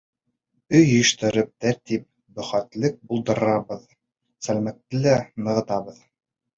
Өй йыйыштырып, тәртип, бөхтәлек булдырабыҙ, сәләмәтлекте лә нығытабыҙ.